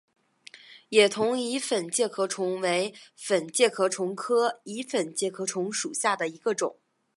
野桐蚁粉介壳虫为粉介壳虫科蚁粉介壳虫属下的一个种。